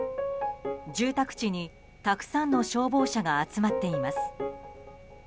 住宅地にたくさんの消防車が集まっています。